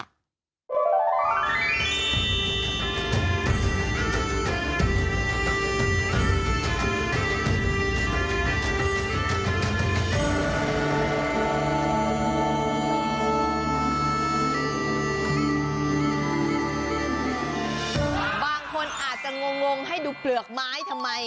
บางคนอาจจะงงให้ดูเปลือกไม้ทำไม